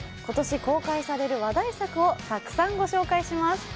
今年公開される話題作をたくさんご紹介します